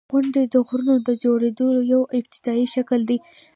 • غونډۍ د غرونو د جوړېدو یو ابتدایي شکل دی.